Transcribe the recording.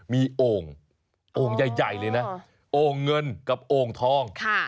มีโอ่งโอ่งใหญ่เลยนะโอ่งเงินกับโอ่งทอง